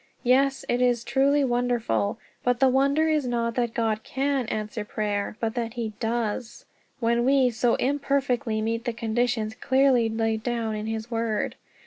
Yes, it is truly wonderful! But the wonder is not that God can answer prayer, but that he does, when we so imperfectly meet the conditions clearly laid down in his Word.